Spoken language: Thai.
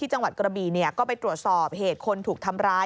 จังหวัดกระบีก็ไปตรวจสอบเหตุคนถูกทำร้าย